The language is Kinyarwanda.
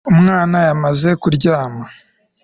Umwana yamaze kuryama